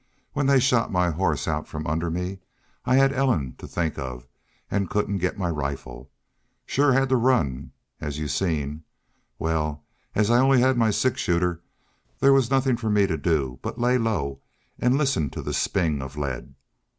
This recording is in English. "When they shot my horse out from under me I had Ellen to think of an' couldn't get my rifle. Shore had to run, as yu seen. Wal, as I only had my six shooter, there was nothin' for me to do but lay low an' listen to the sping of lead.